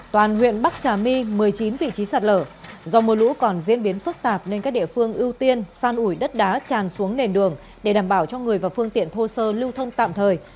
toàn huyện bắc trà my một mươi chín vị trí sạt lở do mưa lũ còn diễn biến phức tạp nên các địa phương ưu tiên san ủi đất đá tràn xuống nền đường để đảm bảo cho người và phương tiện thô sơ lưu thông tạm thời